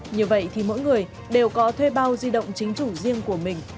như vậy thì mỗi người đều có thuê bao di động chính chủ riêng của mình